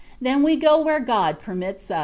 Then we go where God permits us."